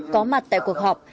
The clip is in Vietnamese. có mặt tại cuộc họp